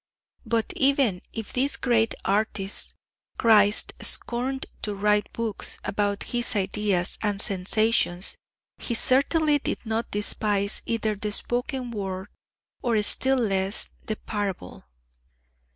But even if this great artist, Christ, scorned to write books about his ideas and sensations, he certainly did not despise either the spoken word or still less the parable.